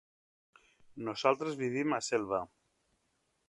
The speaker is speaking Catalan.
Nosaltres vivim a Selva.